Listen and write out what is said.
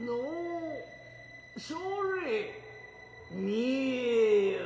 それ見えよ。